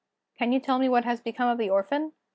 Can you tell me what has become of the orphan?